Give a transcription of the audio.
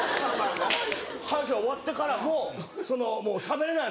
歯医者終わってからもしゃべれないんですよ。